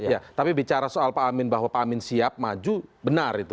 ya tapi bicara soal pak amin bahwa pak amin siap maju benar itu